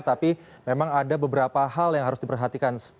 tapi memang ada beberapa hal yang harus diperhatikan